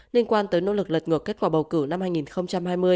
liên quan tới nỗ lực lật ngược kết quả bầu cử năm hai nghìn hai mươi